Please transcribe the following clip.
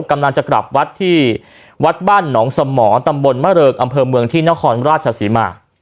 กำลังจะกลับวัดที่วัดบ้านหนองสมรตำบลมะเริงอำเภอเมืองที่นครราชศรีมา